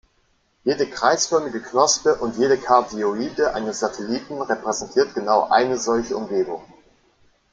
Jede kreisförmige „Knospe“ und jede Kardioide eines Satelliten repräsentiert genau eine solche Umgebung.